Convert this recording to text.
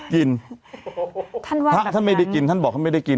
กินท่านว่าพระท่านไม่ได้กินท่านบอกท่านไม่ได้กิน